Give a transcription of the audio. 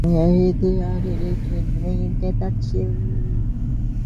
তবে রোগীদের সুবিধার্থে জরুরি বিভাগ এবং বহির্বিভাগসহ বিভিন্ন ওয়ার্ডে তাঁরা সেবা দেবেন।